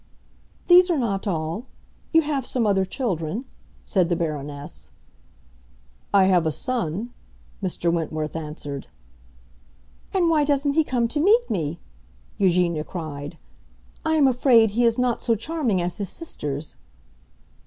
"These are not all; you have some other children," said the Baroness. "I have a son," Mr. Wentworth answered. "And why doesn't he come to meet me?" Eugenia cried. "I am afraid he is not so charming as his sisters."